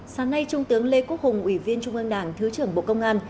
sáng nay trung tướng lê quốc hùng ủy viên trung ương đảng thứ trưởng bộ công an